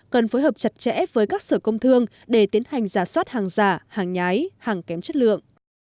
cần phối hợp chặt chẽ với các sở công thương để tiến hành giả soát hàng giả hàng nhái hàng kém chất lượng